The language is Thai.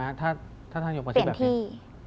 ถ้าท่านยกว่าที่แบบนี้เปลี่ยนที่